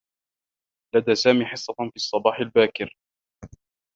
لدى سامي حصّة في الصّباح الباكر.